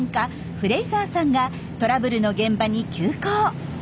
フレイザーさんがトラブルの現場に急行。